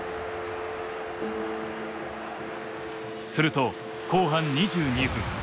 すると後半２２分。